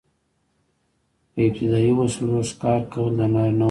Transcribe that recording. په ابتدايي وسلو ښکار کول د نارینه وو کار و.